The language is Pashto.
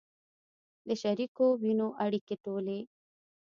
د شریکو وینو اړیکې ټولې